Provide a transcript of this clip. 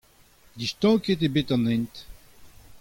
Distanket eo bet an hent.